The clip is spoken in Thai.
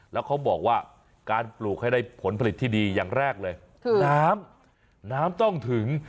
แล้วเขาบอกว่าการปลูกให้ได้ผลผลิตที่ดีอย่างแรกเลยคือน้ำน้ำต้องถึง